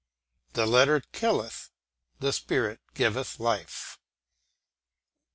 The letter killeth, the spirit giveth life.